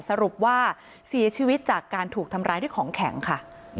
สรุปว่าเสียชีวิตจากการถูกทำร้ายด้วยของแข็งค่ะ